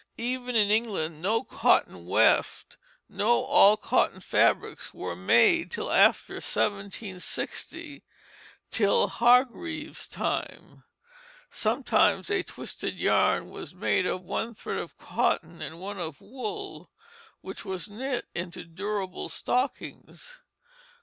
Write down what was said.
Even in England no cotton weft, no all cotton fabrics, were made till after 1760, till Hargreave's time. Sometimes a twisted yarn was made of one thread of cotton and one of wool which was knit into durable stockings.